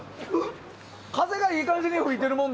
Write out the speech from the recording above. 風がいい感じに吹いてるもんで。